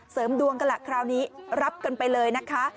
เสริมดวงกันล่ะคราวนี้รับกันไปเลยนะคะ